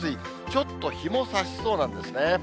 ちょっと日もさしそうなんですね。